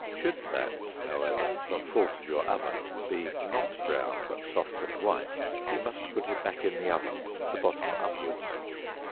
Should that, however, from fault of your oven, be not brown, but soft and white, you must put it back in the oven, the bottom upwards.